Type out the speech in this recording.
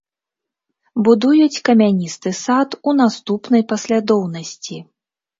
Будуюць камяністы сад у наступнай паслядоўнасці.